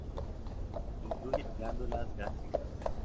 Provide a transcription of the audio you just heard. Incluye glándulas gástricas.